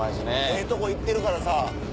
ええとこ行ってるからさ。